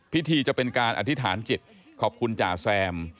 พิธีจะเป็นการอธิษฐานจิตขอบคุณจ่าแซม